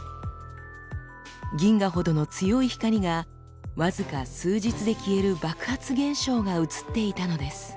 銀河ほどの強い光が僅か数日で消える爆発現象が写っていたのです。